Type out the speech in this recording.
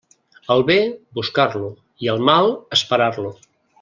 El bé, buscar-lo, i el mal, esperar-lo.